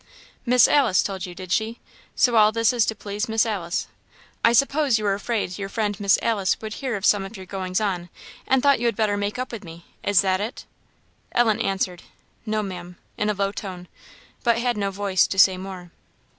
"Miss Alice told you, did she? So all this is to please Miss Alice. I suppose you were afraid your friend Miss Alice would hear of some of your goings on, and thought you had better make up with me. Is that it?" Ellen answered, "No, Maam," in a low tone, but had no voice to say more.